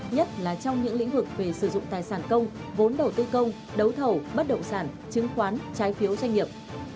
nhất là trong những lĩnh vực về sử dụng tài sản công vốn đầu tư công đấu thầu bất động sản chứng khoán trái phiếu doanh nghiệp